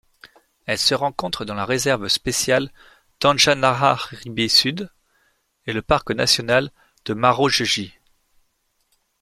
Elle se rencontre dans la réserve spéciale d'Anjanaharibe-Sud et le parc national de Marojejy.